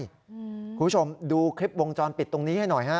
คุณผู้ชมดูคลิปวงจรปิดตรงนี้ให้หน่อยฮะ